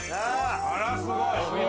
あらすごい。